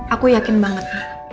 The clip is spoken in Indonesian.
aku yakin banget